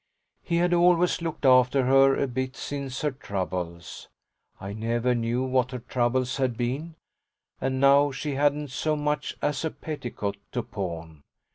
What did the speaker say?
He had always looked after her a bit since her troubles; I never knew what her troubles had been and now she hadn't so much as a petticoat to pawn.